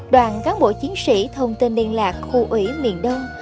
đoàn cán bộ chiến sĩ thông tin liên lạc khu ủy miền đông